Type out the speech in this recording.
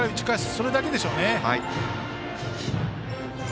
それだけでしょうね。